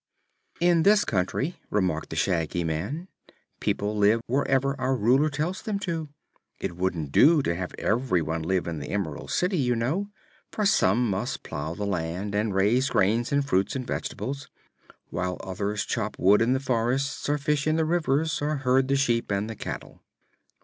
"In this country," remarked the Shaggy Man, "people live wherever our Ruler tells them to. It wouldn't do to have everyone live in the Emerald City, you know, for some must plow the land and raise grains and fruits and vegetables, while others chop wood in the forests, or fish in the rivers, or herd the sheep and the cattle."